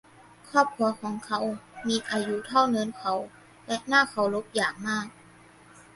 ครอบครัวของเขามีอายุเท่าเนินเขา และน่าเคารพอย่างมาก